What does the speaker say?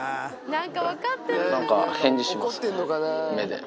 なんか返事しますね、目で。